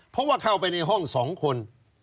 เพราะว่าเข้าไปในห้อง๒คน